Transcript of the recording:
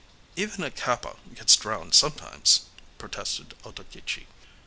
"Even a Kappa gets drowned sometimes," protested Otokichi.